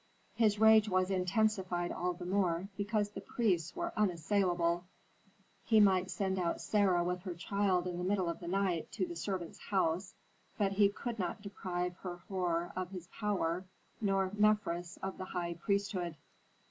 His rage was intensified all the more because the priests were unassailable. He might send out Sarah with her child in the middle of the night to the servants' house, but he could not deprive Herhor of his power, nor Mefres of the high priesthood.